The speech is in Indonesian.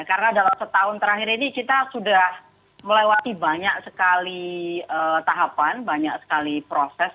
karena dalam setahun terakhir ini kita sudah melewati banyak sekali tahapan banyak sekali proses